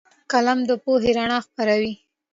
قلم د پوهې رڼا خپروي